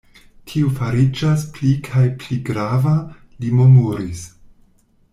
Tio fariĝas pli kaj pli grava, li murmuris.